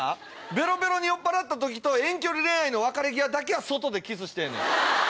ベロベロに酔っぱらった時と遠距離恋愛の別れ際だけは外でキスしてええねん。